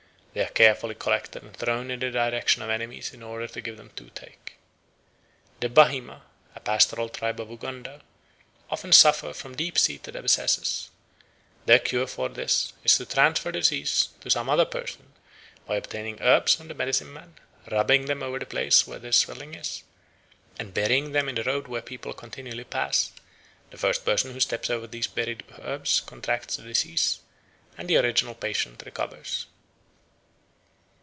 They are carefully collected and thrown in the direction of enemies in order to give them toothache. The Bahima, a pastoral people of Uganda, often suffer from deep seated abscesses: "their cure for this is to transfer the disease to some other person by obtaining herbs from the medicine man, rubbing them over the place where the swelling is, and burying them in the road where people continually pass; the first person who steps over these buried herbs contracts the disease, and the original patient recovers."